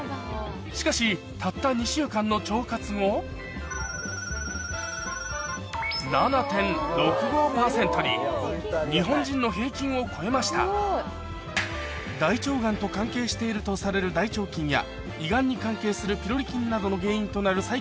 しかしたった２週間の腸活後日本人の平均を超えました大腸がんと関係しているとされる大腸菌や胃がんに関係するピロリ菌などの原因となる細菌類